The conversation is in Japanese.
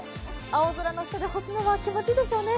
青空の下で干すのは、気持ちいいでしょうね。